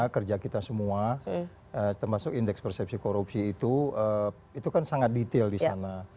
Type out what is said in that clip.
kerja kita semua termasuk indeks persepsi korupsi itu itu kan sangat detail di sana